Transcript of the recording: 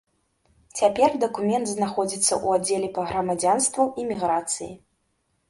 Цяпер дакумент знаходзіцца ў аддзеле па грамадзянству і міграцыі.